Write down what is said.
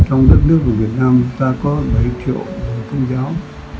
trong đất nước của việt nam ta có bảy triệu người công giáo